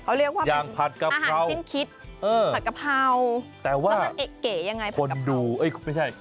เขาเรียกว่าเป็นอาหารชิ้นคิดผัดกะเพราแต่ว่ามันเก๋ยังไง